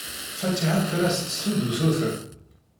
Fatiḥa tella tettessu-d usuten.